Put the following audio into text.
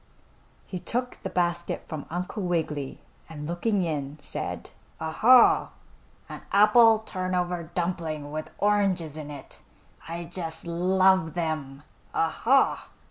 He took the basket from Uncle Wiggily, and looking in, said: "Ah, ha! An apple turnover dumpling with oranges in it! I just love them! Ah, ha!"